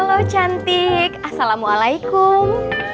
halo cantik assalamualaikum